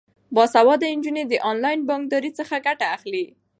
باسواده نجونې د انلاین بانکدارۍ څخه ګټه اخلي.